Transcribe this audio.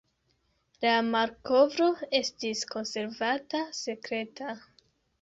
La malkovro estis konservata sekreta.